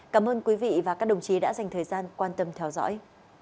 cảm ơn quý vị và các đồng chí đã dành thời gian quan tâm theo dõi